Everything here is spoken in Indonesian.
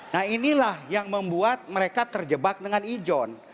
nah inilah yang membuat mereka terjebak dengan ijon